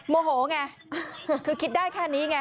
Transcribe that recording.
โมโหไงคือคิดได้แค่นี้ไง